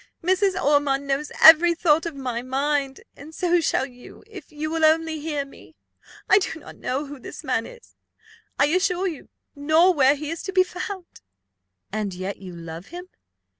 Mrs. Ormond knows every thought of my mind, and so shall you, if you will only hear me. I do not know who this man is, I assure you; nor where he is to be found." "And yet you love him?